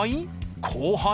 後輩？